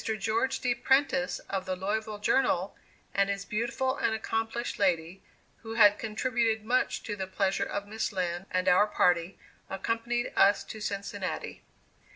George D. Prentice, of the Louisville Journal, and his beautiful and accomplished lady, who had contributed much to the pleasure of Miss Lind and our party, accompanied us to Cincinnati.